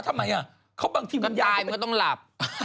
ทำไมล่ะเขาบางทีวิญญาณถ้าตายมึงก็ต้องหลับ